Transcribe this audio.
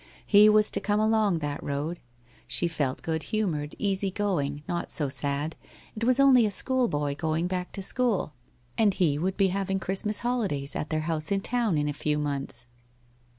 He was to come along that road. She felt good humoured, easy going, not so sad, it was only a schoolboy going back to school and he would be having Christmas holidays at their house in town in a few months.